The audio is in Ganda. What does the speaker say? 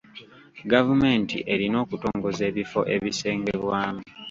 Gavumenti erina okutongoza ebifo ebisengebwamu.